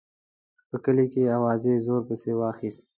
په کلي کې اوازې زور پسې واخیست.